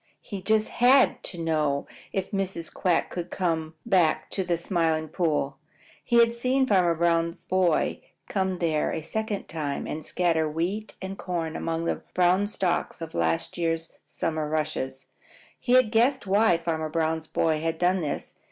He just HAD to know if Mrs. Quack would come back to the Smiling Pool. He had seen Farmer Brown's boy come there a second time and scatter wheat and corn among the brown stalks of last summer's rushes, and he had guessed why Farmer Brown's boy had done this.